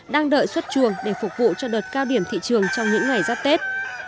đang đợi xuất chuồng để phục vụ cho đợt cao điểm thị trường trong những ngày giáp tết